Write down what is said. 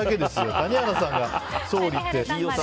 谷原さんが総理って。